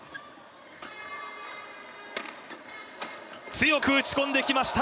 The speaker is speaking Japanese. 強く打ち込んできました！